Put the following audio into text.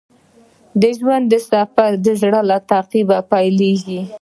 د ژوند سفر د زړه له تعقیب پیلیږي.